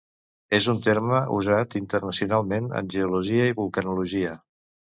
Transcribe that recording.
És un terme usat internacionalment en geologia i vulcanologia.